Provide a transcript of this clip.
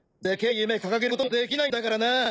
夢掲げることもできないんだからな。